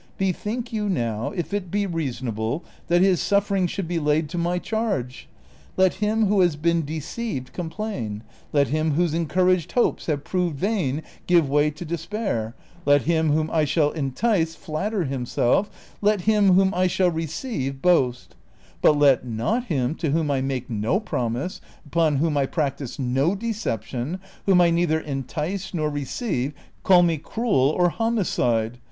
Bethink you now if it be reasonable that his suffering should be laid to my charge. Let him who has been deceived complain, let him whose encouraged hopes have proved vain give way to despair, let him whom I shall entice flatter himself, let him whom I shall receive boast; but let not him to whom I make no promise, x;pon whom I practise no deception, whom I neither entice nor receive call me cruel or homicide.